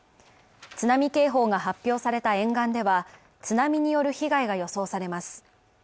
津波警報が発表された沿岸では、津波による被害が予想されます。